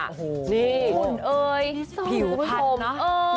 นี่คุณเอ๋ยผิวผัดนะ